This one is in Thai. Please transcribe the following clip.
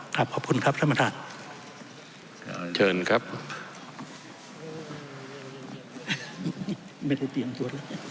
ไม่ต้องเตรียมตัวแล้ว